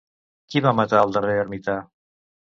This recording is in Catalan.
Qui va matar al darrer ermità?